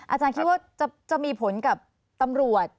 อาจารย์คิดว่าจะมีผลกับตำรวจ